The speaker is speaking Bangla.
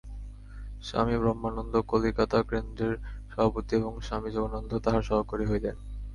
স্বামী ব্রহ্মানন্দ কলিকাতা-কেন্দ্রের সভাপতি এবং স্বামী যোগানন্দ তাঁহার সহকারী হইলেন।